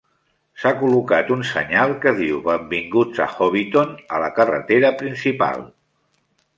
S'ha col·locat un senyal que diu "Benvinguts a Hobbiton" a la carretera principal.